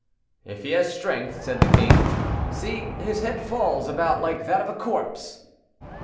"If he has strength," said the king. "See, his head falls about like that of a corpse."